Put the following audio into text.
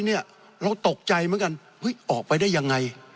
เราตกใจเหมือนกันออกไปได้ยังไง